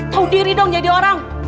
tahu diri dong jadi orang